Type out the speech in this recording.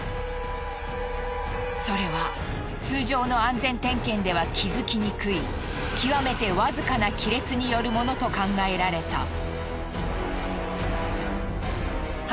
それは通常の安全点検では気づきにくい極めてわずかな亀裂によるものと考えられた。